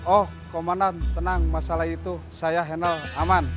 oh komandan tenang masalah itu saya handle aman